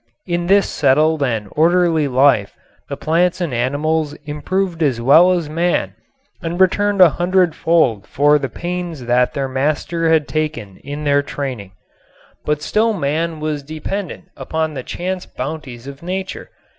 In this settled and orderly life the plants and animals improved as well as man and returned a hundredfold for the pains that their master had taken in their training. But still man was dependent upon the chance bounties of nature.